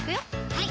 はい